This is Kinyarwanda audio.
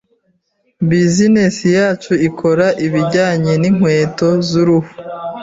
bizinesi yacu ikora ibijyanye n’inkweto z’uruhu.